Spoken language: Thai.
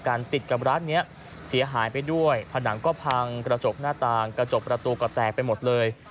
ติดกับร้านนี้เสียหายไปด้วยผนังก็พังกระจกหน้าต่างกระจกประตูก็แตกไปหมดเลย